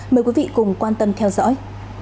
mời quý vị cùng quan tâm theo dõi